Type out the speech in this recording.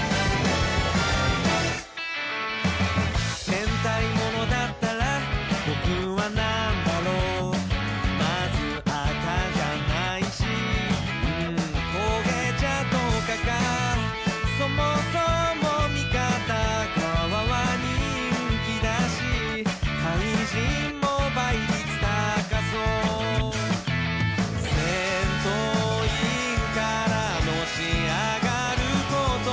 戦隊モノだったら僕は何だろうまず赤じゃないしんー焦げ茶とかかそもそも味方側は人気だし怪人も倍率高そう戦闘員からのし上がる事は可能ですか監督